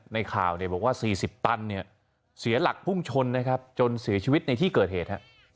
ในข่าวบอกว่า๔๐ตันเนี่ยเสียหลักพุ่งชนนะครับจนเสียชีวิตในที่เกิดเหตุ